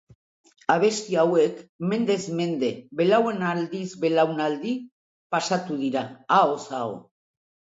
Abesti hauek, mendez mende, belaunaldiz belaunaldi pasatu dira, ahoz aho.